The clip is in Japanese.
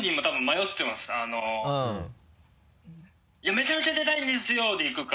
「めちゃめちゃ出たいんですよ」で行くか。